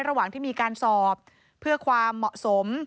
ระหว่างที่มีการสอบเพื่อความเหมาะสม